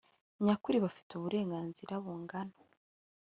Nyakuri bafite uburenganzira bungana